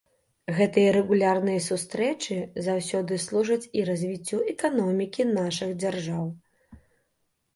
Гэтыя рэгулярныя сустрэчы заўсёды служаць і развіццю эканомікі нашых дзяржаў.